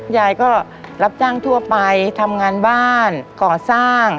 ยายก็รับจ้างทั่วไปทำงานบ้านก่อสร้าง